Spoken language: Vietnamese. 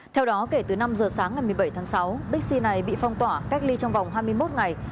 theo đó kể từ năm giờ sáng ngày một mươi bảy tháng sáu binh sĩ này bị phong tỏa cách ly trong vòng hai mươi một ngày